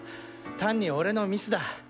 単に俺のミスだ。